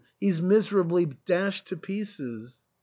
he's miserably dashed to pieces